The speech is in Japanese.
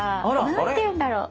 何ていうんだろう？